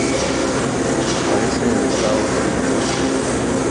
Aparece en estado de Vida-Muerte.